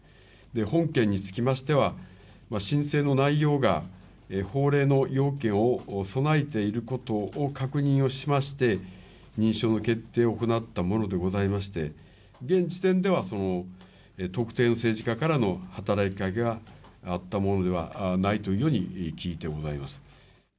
本件につきましては、申請の内容が法令の要件を備えていることを確認をしまして、認証の決定を行ったものでございまして、現時点では、特定の政治家からの働きかけがあったものではないというように聞いてございます。